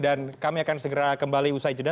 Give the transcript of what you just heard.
dan kami akan segera kembali usai juda